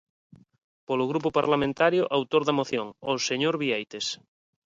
Polo grupo parlamentario autor da moción, o señor Bieites.